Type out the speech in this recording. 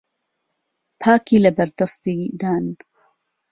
پاکی له بهر دهستی دان